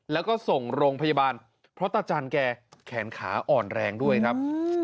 แล้วก็ส่งโรงพยาบาลเพราะตาจันแกแขนขาอ่อนแรงด้วยครับ